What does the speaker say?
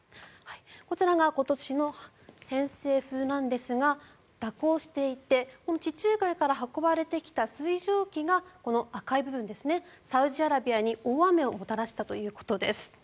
こちらが今年の偏西風なんですが蛇行していて地中海から運ばれてきた水蒸気がこの赤い部分、サウジアラビアに大雨をもたらしたということです。